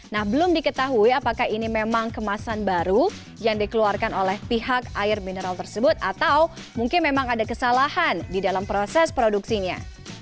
nah belum diketahui apakah ini memang kemasan baru yang dikeluarkan oleh pihak air mineral tersebut atau mungkin memang ada kesalahan di dalam proses produksinya